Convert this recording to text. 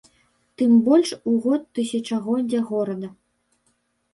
Тым больш у год тысячагоддзя горада.